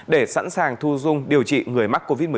để sẵn sàng thu dung điều trị người mắc covid một mươi chín